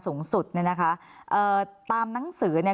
สูงสุดเนี่ยนะคะเอ่อตามหนังสือเนี่ย